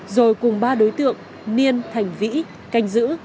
rồi cùng ba đối tượng niên thành vĩ canh giữ